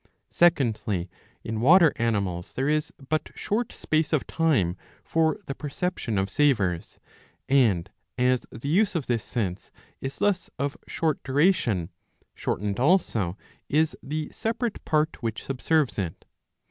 Secondly in water animals there is but short space of time for the perception of savours, and as the use of this sense is thus of short duration, shortened also is the separate part which subserves it.